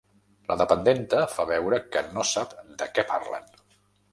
La dependenta fa veure que no sap de què parlen.